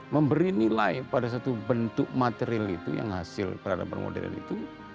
memberi nilai pada satu bentuk material itu yang hasil peradaban modern itu